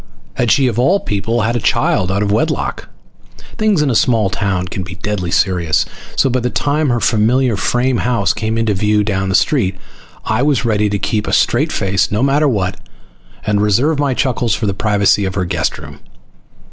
Had she, of all people, had a child out of wedlock? Things in a small town can be deadly serious, so by the time her familiar frame house came into view down the street I was ready to keep a straight face, no matter what, and reserve my chuckles for the privacy of her guest room.